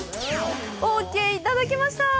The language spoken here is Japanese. オーケーいただけました。